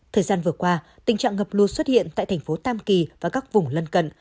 thời gian vừa qua tình trạng ngập lụt xuất hiện tại thành phố tam kỳ và các vùng lân cận